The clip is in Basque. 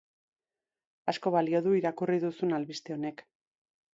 Asko balio du irakurri duzun albiste honek.